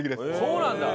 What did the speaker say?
そうなんだ。